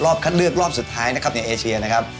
คัดเลือกรอบสุดท้ายนะครับในเอเชียนะครับ